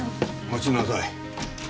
待ちなさい。